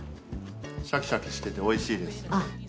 シャキシャキしてておいしいです。